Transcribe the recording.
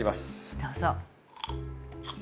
どうぞ。